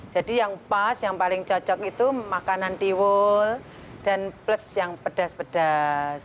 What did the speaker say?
jadi yang pas yang paling cocok itu makanan tiwul dan plus yang pedas pedas